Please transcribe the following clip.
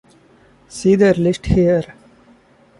See their list here.